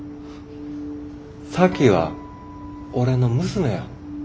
咲妃は俺の娘や。